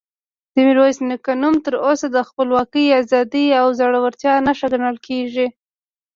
د میرویس نیکه نوم تر اوسه د خپلواکۍ، ازادۍ او زړورتیا نښه ګڼل کېږي.